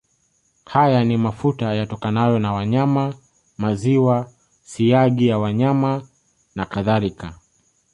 Haya ni mafuta yatokanayo na wanyama maziwa siagi ya wanyama nakadhalika